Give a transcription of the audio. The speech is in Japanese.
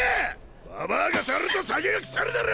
ババアが触ると酒が腐るだろ！